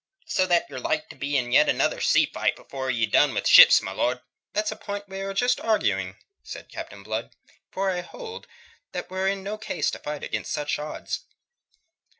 "So that you're like to be in yet another sea fight afore ye've done wi' ships, my lord." "That's a point we were just arguing," said Blood. "For I hold that we're in no case to fight against such odds."